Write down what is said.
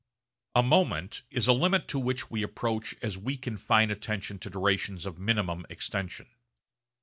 A moment is a limit to which we approach as we confine attention to durations of minimum extension.